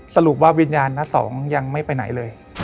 สรุปว่าวิญญาณน้าสองยังไม่ไปไหนเลย